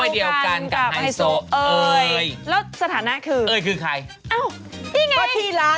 เดี๋ยว